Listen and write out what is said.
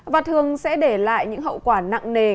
và thường sẽ để lại những hậu quả nặng nề